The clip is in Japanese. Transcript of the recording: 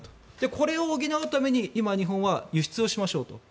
これを補うために日本は輸出をしましょうと。